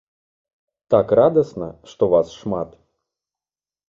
Так радасна, што вас шмат!